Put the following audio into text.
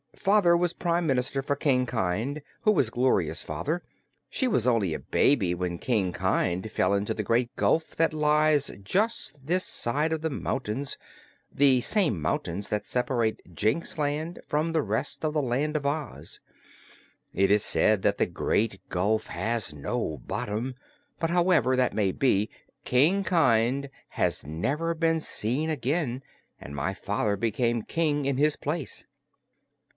"Father was Prime Minister for King Kynd, who was Gloria's father. She was only a baby when King Kynd fell into the Great Gulf that lies just this side of the mountains the same mountains that separate Jinxland from the rest of the Land of Oz. It is said the Great Gulf has no bottom; but, however that may be, King Kynd has never been seen again and my father became King in his place."